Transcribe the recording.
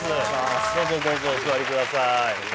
どうぞどうぞお座りください